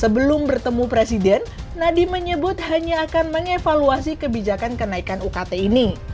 sebelum bertemu presiden nadiem menyebut hanya akan mengevaluasi kebijakan kenaikan ukt ini